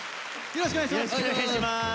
よろしくお願いします。